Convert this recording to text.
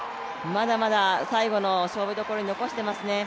まだまだ最後の勝負どころに残していますね。